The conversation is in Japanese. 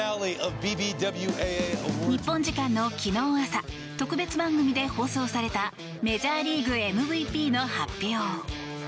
日本時間の昨日朝特別番組で放送されたメジャーリーグＭＶＰの発表。